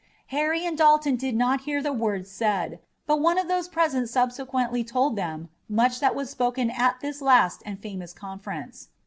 Harry and Dalton did not hear the words said, but one of those present subsequently told them much that was spoken at this last and famous conference.